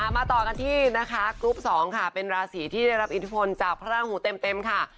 มาต่อกันที่นะคะกรุ๊ป๒ค่ะเป็นราศีที่ได้รับอิทธิพลจากพระราหูเต็มค่ะ